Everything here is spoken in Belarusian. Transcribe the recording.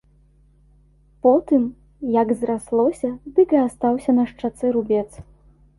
Потым, як зраслося, дык і астаўся на шчацэ рубец.